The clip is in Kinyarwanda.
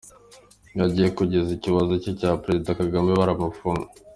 Iyo agiye kugeza ikibazo cye kuri Perezida Kagame baramufunga.